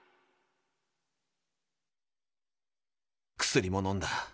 薬ものんだ。